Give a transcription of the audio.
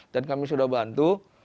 dan kami sudah bantu